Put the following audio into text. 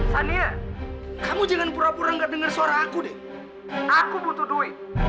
sania kamu jangan pura pura nggak dengar suara aku deh aku butuh duit